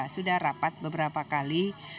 sudah rapat beberapa kali